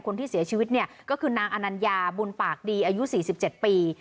คนที่เสียชีวิตเนี่ยก็คือนางอนัญญาบุญปากดีอายุ๔๗ปี